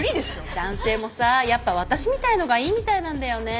男性もさやっぱ私みたいのがいいみたいなんだよね。